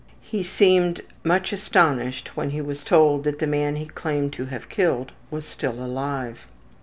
He seemed much astonished when he was told that the man he claimed to have killed was still alive.